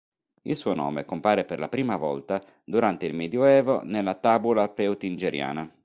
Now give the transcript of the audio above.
Il suo nome compare per la prima volta durante il medioevo nella Tabula Peutingeriana.